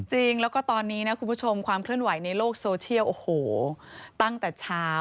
จริงแล้วก็ตอนนี้นะคุณผู้ชมความเคลื่อนไหวในโลกโซเชียลโอ้โหตั้งแต่เช้า